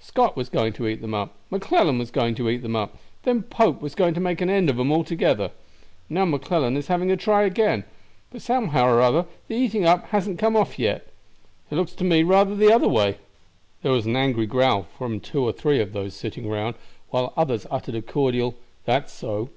Scott was going to eat them up, McClellan was going to eat them up, then Pope was going to make an end of 'em altogether. Now McClellan is having a try again, but somehow or other the eating up hasn't come off yet. It looks to me rather the other way." There was an angry growl from two or three of those sitting round, while others uttered a cordial "That's so."